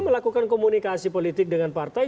melakukan komunikasi politik dengan partai